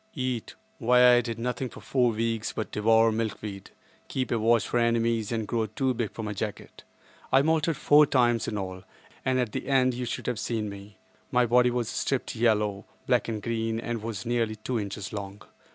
Eat! Why I did nothing for about four weeks but devour milkweed, keep a watch out for enemies and grow too big for my jacket. I moulted four times in all, and at the end you should have seen me. My body was striped yellow, black and green, and was nearly two inches long.